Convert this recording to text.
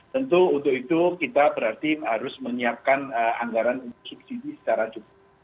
tentu untuk itu kita berarti harus menyiapkan anggaran untuk subsidi secara cukup